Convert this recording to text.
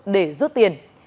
để rút tiền